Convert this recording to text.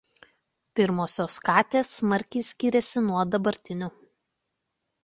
Pirmosios katės smarkiai skyrėsi nuo dabartinių.